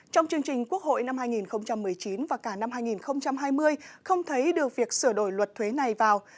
trong chương trình quốc hội năm hai nghìn một mươi chín và cả năm hai nghìn hai mươi không thấy được việc sửa đổi luật thuế này vào